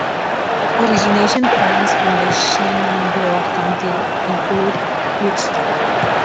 Origination points in Shenandoah County include Woodstock.